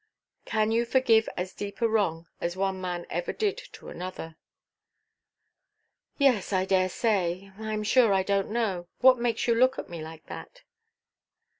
"Can you forgive as deep a wrong as one man ever did to another?" "Yes, I dare say. I am sure I donʼt know. What makes you look at me like that?"